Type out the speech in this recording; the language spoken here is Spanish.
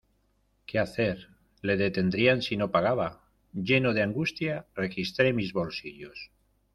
¿Qué hacer? ¿Le detendrían si no pagaba? lleno de angustia registré mis bolsillos.